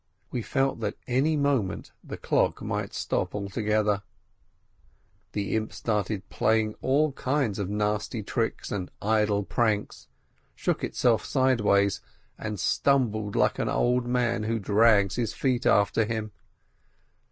We felt that any moment the clock might stop altogether. The imp started play ing all kinds of nasty tricks and idle pranks, shook itself sideways, and stumbled like an old man who drags his feet after him.